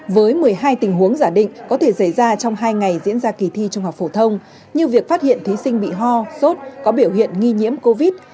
với một mươi hai tình huống giả định có thể xảy ra trong hai ngày diễn ra kỳ thi trung học phổ thông như việc phát hiện thí sinh bị ho sốt có biểu hiện nghi nhiễm covid